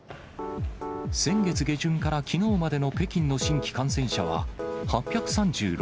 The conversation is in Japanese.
先月下旬からきのうまでの北京の新規感染者は、８３６人。